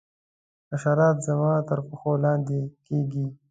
حشرات زما تر پښو لاندي کیږي.